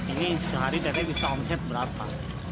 ini sehari dede bisa omset berapa